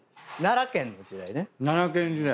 奈良県時代。